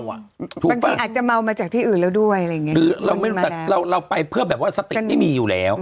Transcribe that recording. บางทีอาจจะเมามาจากที่อื่นแล้วด้วยเราไปเพื่อสติกไม่มีอยู่แล้ว